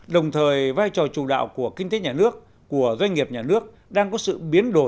đồng thời vai trò chủ đạo của kinh tế nhà nước của doanh nghiệp nhà nước đang có sự biến đổi